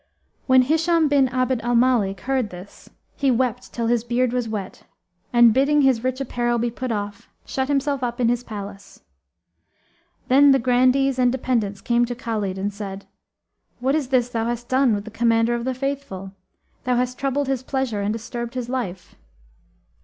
When Hishám bin Abd al Malik heard this, he wept till his beard was wet, and, bidding his rich apparel be put off, shut himself up in his palace. Then the grandees and dependants came to Khalid and said, 'What is this thou hast done with the Commander of the Faithful? Thou hast troubled his pleasure and disturbed his life!'